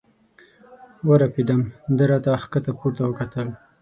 ورپېدم، ده را ته ښکته پورته وکتل.